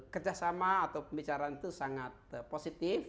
kerjasama atau pembicaraan itu sangat positif